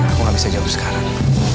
aku gak bisa jauh sekarang